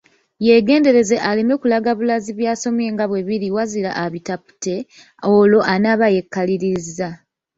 Yeegendereze aleme kulaga bulazi bya’somye nga bwe biri wazira abitapute; olwo anaaba yeekaliriza.